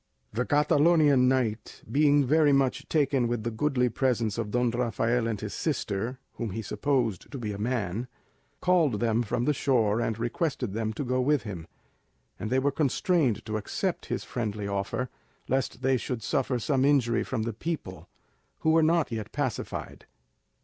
The Catalonian knight being very much taken with the goodly presence of Don Rafael and his sister (whom he supposed to be a man), called them from the shore, and requested them to go with him, and they were constrained to accept his friendly offer, lest they should suffer some injury from the people, who were not yet pacified.